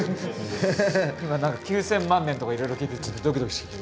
今何か９，０００万年とかいろいろ聞いてちょっとドキドキしてきて。